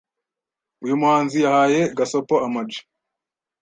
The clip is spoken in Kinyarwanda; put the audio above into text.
Uyu muhanzi yahaye gasopo Ama G